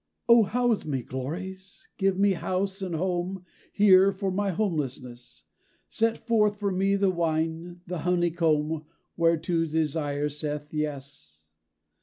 O house me, glories! Give me house and home Here for my homelessness. Set forth for me the wine, the honeycomb Whereto desire saith 'Yes!'